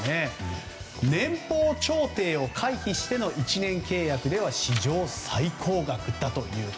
年俸調停を回避しての１年契約では史上最高額と。